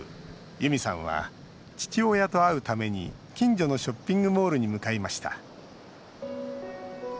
ユミさんは父親と会うために近所のショッピングモールに向かいました。